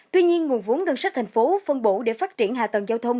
tuy nhiên nguồn vốn ngân sách thành phố phân bổ để phát triển hạ tầng giao thông